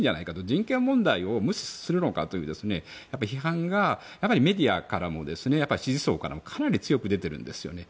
人権問題を無視するのかという批判がメディアからも支持層からもかなり強く出てるんですよね。